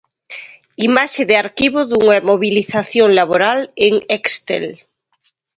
Imaxe de arquivo dunha mobilización laboral en Extel.